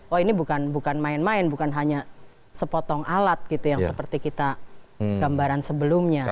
oh ini bukan main main bukan hanya sepotong alat gitu yang seperti kita gambaran sebelumnya